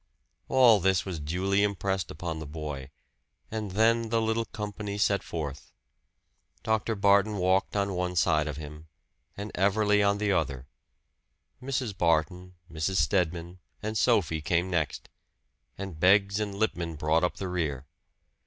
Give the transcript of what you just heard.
All this was duly impressed upon the boy, and then the little company set forth. Dr. Barton walked on one side of him, and Everley on the other; Mrs. Barton, Mrs. Stedman and Sophie came next, and Beggs and Lippman brought up the rear.